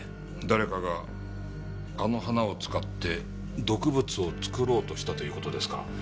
誰かがあの花を使って毒物を作ろうとしたという事ですか？